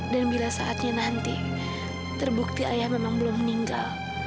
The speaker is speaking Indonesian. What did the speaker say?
dan bila saatnya nanti terbukti ayah memang belum meninggal